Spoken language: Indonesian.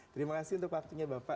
terima kasih untuk waktunya bapak